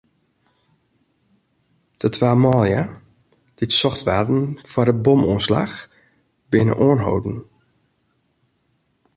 De twa manlju dy't socht waarden foar de bomoanslach, binne oanholden.